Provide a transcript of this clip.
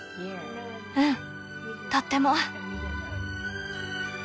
うんとっても。